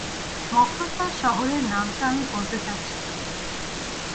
মফস্বল শহরের নামটা আমি বলতে চাচ্ছি না।